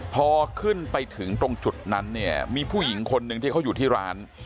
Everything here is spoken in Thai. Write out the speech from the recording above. พอขึ้นไปถึงตรงจุดนั้นเนี่ยมีผู้หญิงคนหนึ่งที่เขาอยู่ที่ร้าน